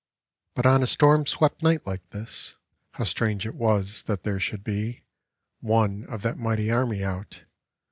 But on a storm swept night like this How strange it was that there should be One of that mighty army out.